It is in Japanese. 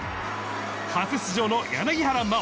初出場の柳原真緒。